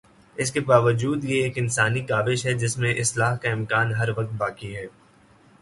اس کے باوجود یہ ایک انسانی کاوش ہے جس میں اصلاح کا امکان ہر وقت باقی ہے۔